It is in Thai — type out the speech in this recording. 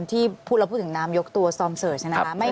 ที่เราพูดถึงน้ำยกตัวสอร์มเสิร์ชนะครับ